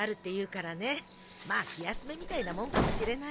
まあ気休めみたいなもんかもしれないけど。